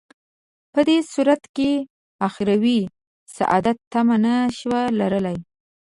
په دې صورت کې اخروي سعادت تمه نه شو لرلای.